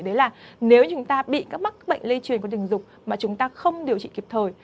đấy là nếu chúng ta bị các mắc bệnh lây truyền qua tình dục mà chúng ta không điều trị kịp thời